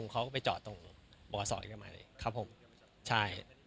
ครับผมใช่